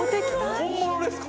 本物ですか？